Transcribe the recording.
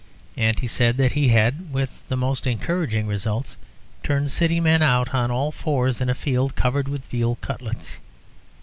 And he said that he had, with the most encouraging results, turned city men out on all fours in a field covered with veal cutlets.